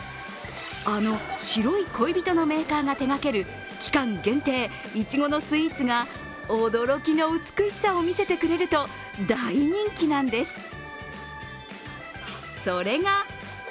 あの、白い恋人のメーカーが手がける期間限定、いちごのスイーツが驚きの美しさを見せてくれると大人気なんです。